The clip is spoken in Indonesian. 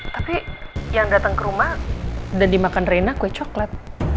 tapi yang datang ke rumah dan dimakan reina kue coklat